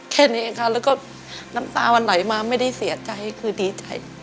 แค่นี้เองค่ะแล้วก็น้ำตามันไหลมาไม่ได้เสียใจคือดีใจ